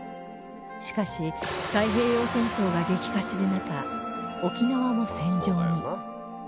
しかし太平洋戦争が激化する中沖縄も戦場に